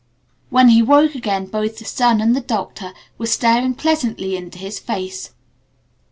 When he woke again both the sun and the Doctor were staring pleasantly into his face.